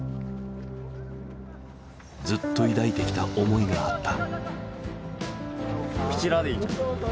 ずっと抱いてきた思いがあった。